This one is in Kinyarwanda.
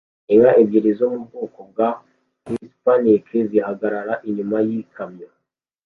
Inka ebyiri zo mu bwoko bwa Hispanic zihagarara inyuma yikamyo